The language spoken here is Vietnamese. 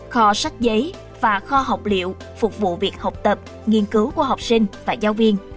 kho sách giấy và kho học liệu phục vụ việc học tập nghiên cứu của học sinh và giáo viên